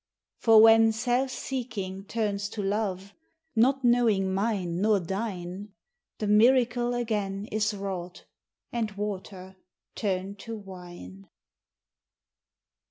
For when self seeking turns to love, Not knowing mine nor thine, The miracle again is wrought, And water turned to wine.